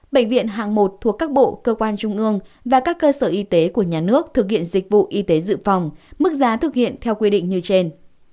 bệnh viện hạng một thuộc các bộ cơ quan trung ương và các cơ sở y tế của nhà nước thực hiện dịch vụ y tế dự phòng mức giá thực hiện theo quy định như trên